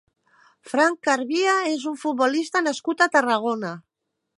Fran Carbia és un futbolista nascut a Tarragona.